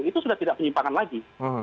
itu sudah tidak penyimpangan lagi